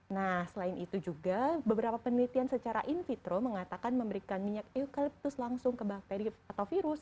nah selain itu juga beberapa penelitian secara in vitro mengatakan memberikan minyak eucalyptus langsung ke bakteri atau virus